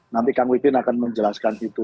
nanti kang pipin akan menjelaskan itu